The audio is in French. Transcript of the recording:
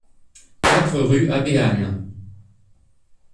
quatre rue Abbé Anne